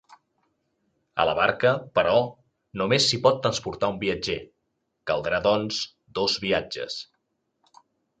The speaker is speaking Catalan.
A la barca, però, només s'hi pot transportar un viatger; caldran, doncs, dos viatges.